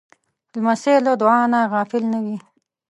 لمسی له دعا نه غافل نه وي.